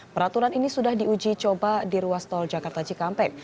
peraturan ini sudah diuji coba di ruas tol jakarta cikampek